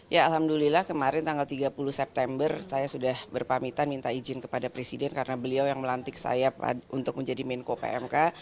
ya alhamdulillah kemarin tanggal tiga puluh september saya sudah berpamitan minta izin kepada presiden karena beliau yang melantik saya untuk menjadi menko pmk